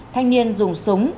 thanh niên dùng súng chặn xe trở